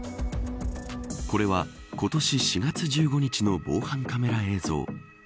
これは今年４月１５日の防犯カメラ映像。